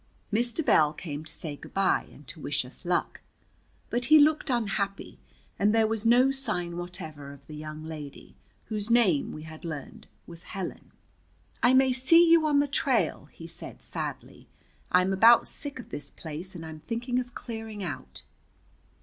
Mr. Bell came to say good bye and to wish us luck. But he looked unhappy, and there was no sign whatever of the young lady, whose name we had learned was Helen. "I may see you on the trail," he said sadly. "I'm about sick of this place, and I'm thinking of clearing out."